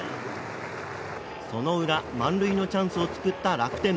その裏、満塁のチャンスを作った楽天。